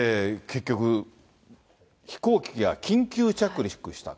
結局、飛行機が緊急着陸した。